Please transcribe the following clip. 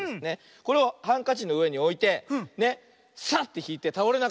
これをハンカチのうえにおいてサッてひいてたおれなかったらせいこう。